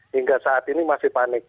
hingga saat ini masih panik